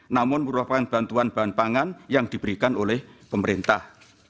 namun merupakan bantuan bahan pangan yang diberikan oleh pemerintah